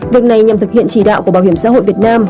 việc này nhằm thực hiện chỉ đạo của bảo hiểm xã hội việt nam